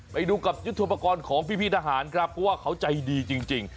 ไปดูกับยุทธโปรกรณ์ของพี่ทหารครับเพราะว่าเขาใจดีจริง